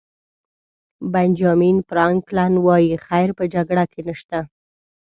بنجامین فرانکلن وایي خیر په جګړه کې نشته.